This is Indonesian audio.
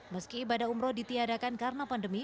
meski ibadah umroh ditiadakan karena pandemi